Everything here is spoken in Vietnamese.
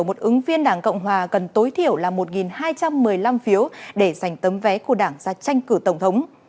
ở phiếu đại biểu một ứng viên đảng cộng hòa cần tối thiểu là một hai trăm một mươi năm phiếu để giành tấm vé của đảng ra tranh cử tổng thống